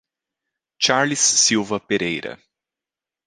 Charles Silva Pereira